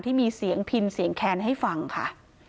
ที่มีเสียงพินเสียงแคนให้ฟังค่ะ